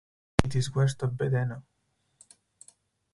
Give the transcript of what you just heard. It is west of Vedeno.